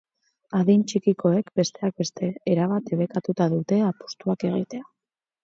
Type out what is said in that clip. Adin txikikoek, besteak beste, erabat debekatuta dute apustuak egitea.